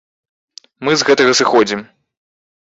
Мы з гэтага сыходзім.